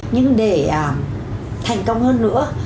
nhưng để thành công hơn nữa